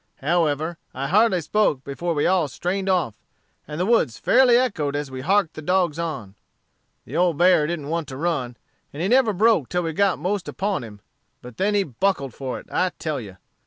However, I hardly spoke before we all strained off; and the woods fairly echoed as we harked the dogs on. The old bear didn't want to run, and he never broke till we got most upon him; but then he buckled for it, I tell you.